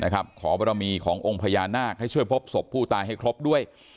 ขอบรมีขององค์พญานาคให้ช่วยพบศพผู้ตายให้ครบด้วย